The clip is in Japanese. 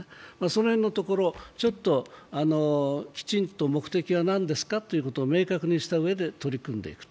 その辺のところ、ちょっときちんと目的は何ですかということを明確にしたうえで取り組んでいく。